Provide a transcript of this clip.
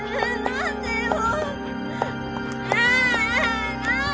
何でよ。